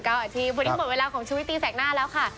อาทิตย์วันนี้หมดเวลาของชุวิตตีแสกหน้าแล้วค่ะ